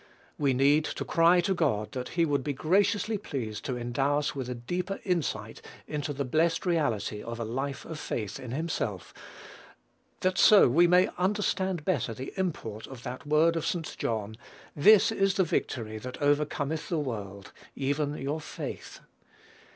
We need to cry to God that he would be graciously pleased to endow us with a deeper insight into the blessed reality of a life of faith in himself, that so we may understand better the import of that word of St. John: "This is the victory that overcometh the world, even your faith."